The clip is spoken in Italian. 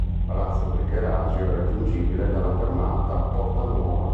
Palazzo Bricherasio è raggiungibile dalla fermata "Porta Nuova".